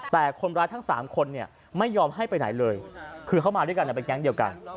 แต่คนร้ายทั้ง๓คนเนี่ยไม่ยอมให้ไปไหนเลยคือเขามาด้วยกันเป็นแก๊งเดียวกัน